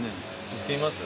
行ってみます？